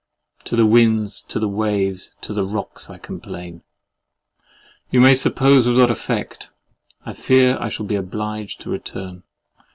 "To the winds, to the waves, to the rocks I complain"—you may suppose with what effect! I fear I shall be obliged to return.